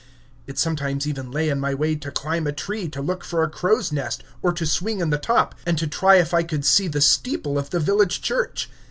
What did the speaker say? It sometimes even lay in my way to climb a tree to look for a crow's nest, or to swing in the top, and to try if I could see the steeple of the village church.